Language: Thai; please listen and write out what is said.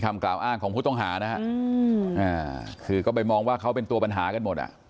คำกราบอ้างของผู้ต้องหาคือเขาไปมองว่าเขาเป็นตัวปัญหากันหมด